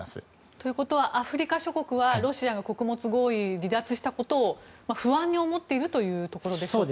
ということはアフリカ諸国はロシアが穀物合意を離脱したことを不安に思っているというところでしょうか。